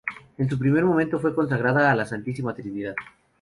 En un primer momento fue consagrada a la Santísima Trinidad.